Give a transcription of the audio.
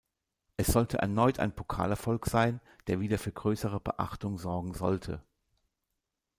Es sollte erneut ein Pokalerfolg sein, der wieder für größere Beachtung sorgen sollte.